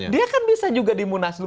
dia kan bisa juga dimunaslub